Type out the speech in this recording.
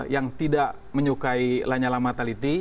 yang tidak menyukai lanyala mataliti